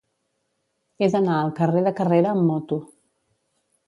He d'anar al carrer de Carrera amb moto.